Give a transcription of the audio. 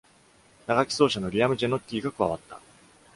打楽器奏者のリアム・ジェノッキーが加わった。